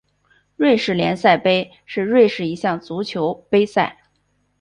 瑞士联赛杯是瑞士一项足球杯赛。